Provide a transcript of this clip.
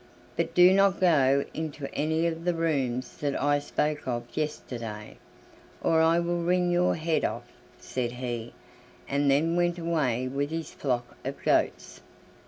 "But do not go into any of the rooms that I spoke of yesterday, or I will wring your head off," said he, and then went away with his flock of goats.